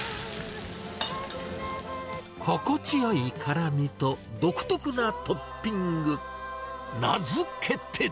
心地よい辛みと独特なトッピング。名付けて。